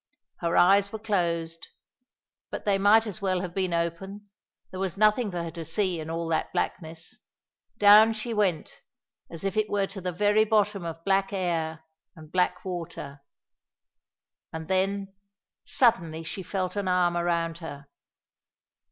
Her eyes were closed, but they might as well have been open; there was nothing for her to see in all that blackness. Down she went, as if it were to the very bottom of black air and black water. And then, suddenly she felt an arm around her.